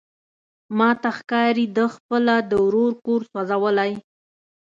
ماته ښکاري ده خپله د ورور کور سوزولی.